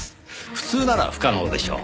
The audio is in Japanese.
普通なら不可能でしょう。